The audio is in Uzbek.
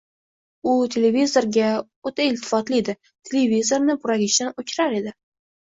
U, televizorga... o‘ta iltifotli edi! Televizorni buragichdan o‘chirar edi.